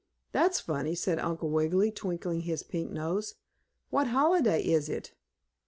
"That's funny," said Uncle Wiggily, twinkling his pink nose. "What holiday is it?"